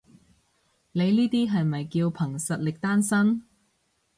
你呢啲係咪叫憑實力單身？